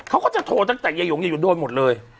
เขาก็จะโทรตั้งแต่ยายงยายหนโดนหมดเลย